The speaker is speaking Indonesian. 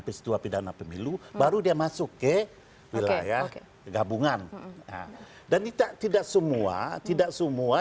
pistila pindahan pemilu baru dia masuk ke wilayah penggabungan ini kita tidak semua tidak semua